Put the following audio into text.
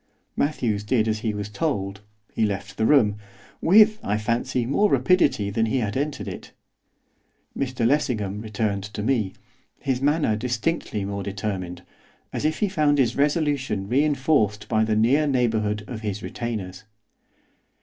Matthews did as he was told, he left the room, with, I fancy, more rapidity than he had entered it. Mr Lessingham returned to me, his manner distinctly more determined, as if he found his resolution reinforced by the near neighbourhood of his retainers.